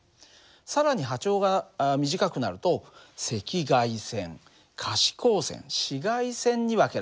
更に波長が短くなると赤外線可視光線紫外線に分けられる。